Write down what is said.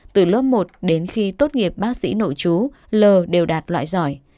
từ lớp một đến khi tốt nghiệp bác sĩ nội chú l đều đạt loại giỏi